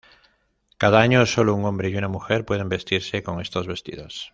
Cada año, sólo un hombre y una mujer pueden vestirse con estos vestidos.